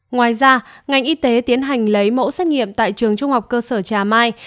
ngoài ra ngành y tế tiến hành lấy mẫu xét nghiệm tại trường trung học cơ sở trà mai